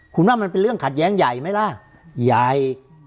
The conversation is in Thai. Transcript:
คุณว่ามันเป็นเรื่องขัดแย้งใหญ่ไหมล่ะใหญ่